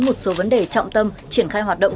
một số vấn đề trọng tâm triển khai hoạt động